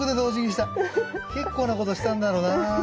結構なことしたんだろうな。